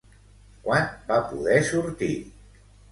Quan va poder sortir?